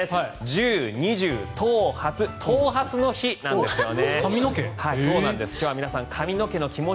１０、２０、とう、はつ頭髪の日なんですよね。